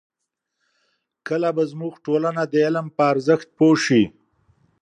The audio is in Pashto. کله به زموږ ټولنه د علم په ارزښت پوه شي؟